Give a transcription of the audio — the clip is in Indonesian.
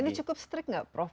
nah ini cukup strik nggak prof